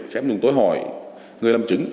chém chúng tôi hỏi người làm chứng